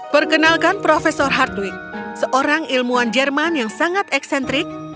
perkenalkan profesor hardwig seorang ilmuwan jerman yang sangat eksentrik